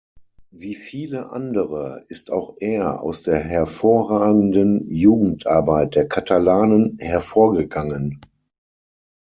Wie viele andere ist auch er aus der hervorragenden Jugendarbeit der Katalanen hervorgegangen.